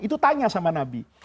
itu tanya sama nabi